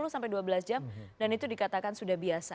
sepuluh sampai dua belas jam dan itu dikatakan sudah biasa